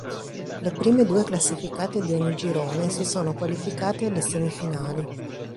Le prime due classificate di ogni girone si sono qualificate alle semifinali.